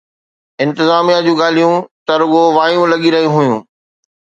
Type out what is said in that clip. انتظاميا جون ڳالهيون ته رڳو وايون لڳي رهيون هيون